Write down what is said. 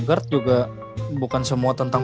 gerd juga bukan semua tentang